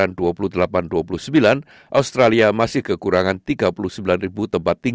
dan itu adalah satu aspek yang sangat penting